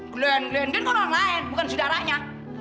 gulen gulen dan kan orang lain bukan saudaranya